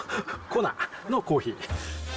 コナのコーヒー。